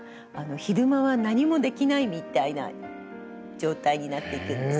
昼間は何もできないみたいな状態になっていくんですね。